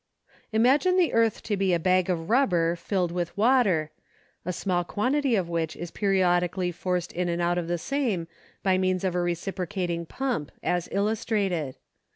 Imagine the earth to be a bag of rubber filled with water, a small quantity of which is periodically forced in and out of the same by means of a reciprocating pump, as illustrated.